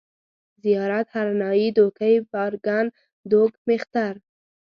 زيارت، هرنايي، دوکۍ، بارکن، دوگ، مېختر